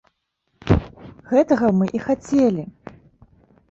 Гэтага мы і хацелі!